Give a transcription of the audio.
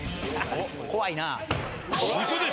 怖いな。